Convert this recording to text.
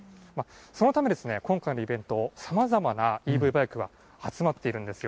そのため今回のイベント、さまざまなＥＶバイクが集まっているんですよ。